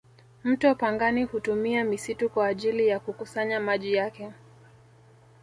mto pangani hutumia misitu kwa ajili ya kukusanya maji yake